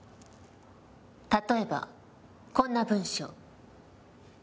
例えばこんな文章。